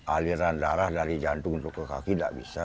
aliran darah dari jantung untuk ke kaki tidak bisa